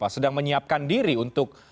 sedang menyiapkan diri untuk